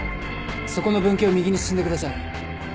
そこの分岐を右に進んでください。